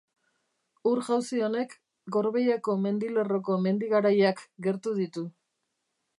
Ur-jauzi honek Gorbeiako mendilerroko mendi garaiak gertu ditu.